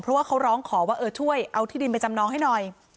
เพราะว่าเขาร้องขอว่าเออช่วยเอาที่ดินไปจำนองให้หน่อย